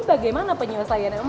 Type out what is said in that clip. ini bagaimana penyelesaiannya